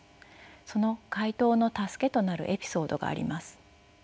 その回答の助けとなるエピソードがあります。